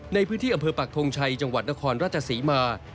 ในพื้นที่อำเภอปักทงชัยจังหวัดนครราชศรีมา